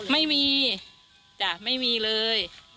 ไม่มีจ้ะไม่มีเลย